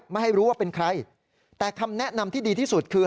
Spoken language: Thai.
ไม่ให้รู้ว่าเป็นใครแต่คำแนะนำที่ดีที่สุดคือ